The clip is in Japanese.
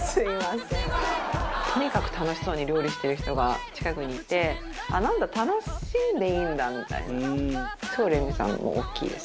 とにかく楽しそうに料理してる人が近くにいてなんだ楽しんでいいんだみたいな。